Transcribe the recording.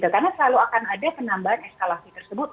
karena selalu akan ada penambahan eskalasi tersebut